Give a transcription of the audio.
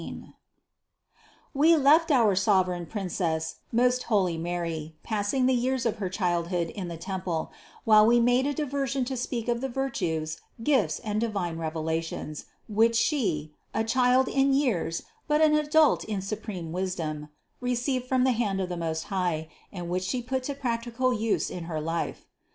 660. We left our sovereign Princess, most holy Mary, passing the years of her childhood in the temple, while we made a diversion to speak of the virtues, gifts and divine revelations, which She, a child in years but an adult in supreme wisdom, received from the hand of the Most High and which She put to practical use in her life.